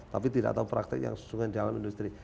tapi tidak tahu praktik yang sesungguhnya dalam industri